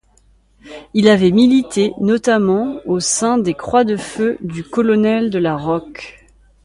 Il avait milité notamment au sein des Croix-de-feu du colonel de la Roque.